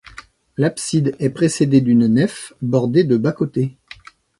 L'abside est précédée d'une nef bordée de bas-côtés.